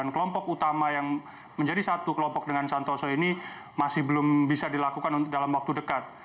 kelompok utama yang menjadi satu kelompok dengan santoso ini masih belum bisa dilakukan dalam waktu dekat